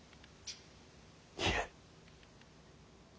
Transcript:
いえ。